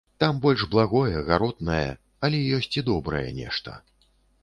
Там больш благое, гаротнае, але ёсць і добрае нешта.